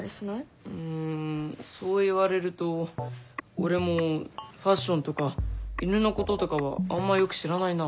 うんそう言われると俺もファッションとか犬のこととかはあんまよく知らないな。